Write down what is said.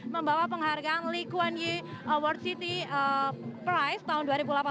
membawa penghargaan likuan u awards city prize tahun dua ribu delapan belas